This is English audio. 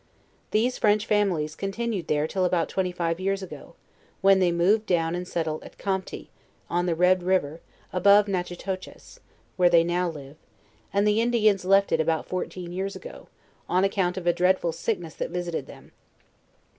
These French families continued there tilJ about twenty five years ago, when they moved down and settled at Campti, on the Red river, above Natchitoches, where they now live; and the Indians left it about fourteen years ago, on account of a dreadful sickness that visited them.